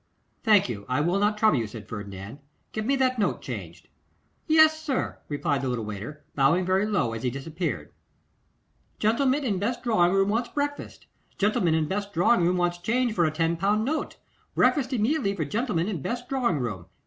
'Thank you, I will not trouble you,' said Ferdinand; 'get me that note changed.' 'Yes, sir,' replied the little waiter, bowing very low as he disappeared. 'Gentleman in best drawing room wants breakfast. Gentleman in best drawing room wants change for a ten pound note. Breakfast immediately for gentleman in best drawing room.